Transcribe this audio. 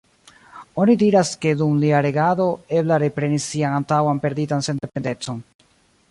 Oni diras ke dum lia regado, Ebla reprenis sian antaŭan perditan sendependecon.